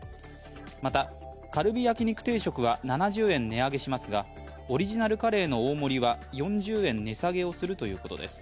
またカルビ焼肉定食は７０円値上げしますが、オリジナルカレーの大盛は４０円値下げをするということです。